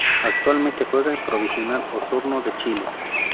Actualmente juega en Provincial Osorno de Chile.